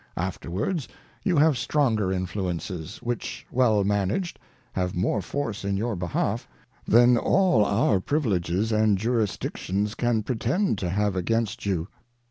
Afterwards you have stronger Influences, which, well manag'd, have more force in your behalf, than all our Privileges and Jurisdictions can pretend to have against you.